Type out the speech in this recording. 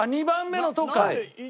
２番目の「と」か。